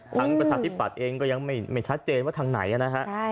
ประชาธิปัตย์เองก็ยังไม่ชัดเจนว่าทางไหนนะฮะ